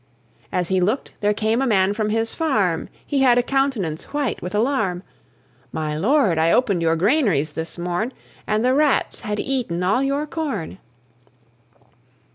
As he looked, there came a man from his farm; He had a countenance white with alarm: "My Lord, I opened your granaries this morn, And the Rats had eaten all your corn."